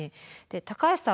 高橋さん